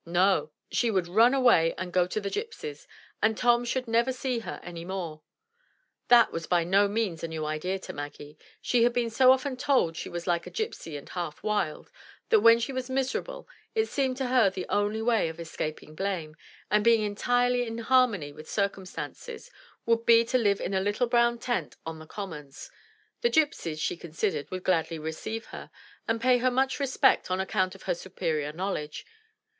No! she would run away and go to the gypsies, and Tom should never see her any more. That was by no means a new idea to Maggie; she had been so often told she was like a gypsy, and "half wild,'' that when she was miserable it seemed to her the only way of escaping blame, and being entirely in harmony with circumstances, would be to live in a little brown tent on the commons; the gypsies, she considered, would gladly receive her, and pay her much respect on account of her superior knowledge.